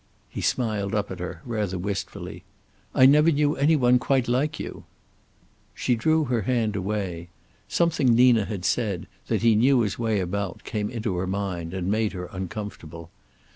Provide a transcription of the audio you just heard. He smiled up at her, rather wistfully. "I never knew any one quite like you." She drew her hand away. Something Nina had said, that he knew his way about, came into her mind, and made her uncomfortable.